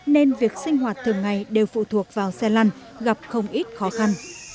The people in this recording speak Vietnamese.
nên việc sinh hoạt thường ngày đều phụ thuộc vào xe lăn gặp không ít khó khăn